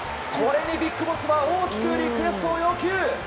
これにＢＩＧＢＯＳＳは大きくリクエストを要求。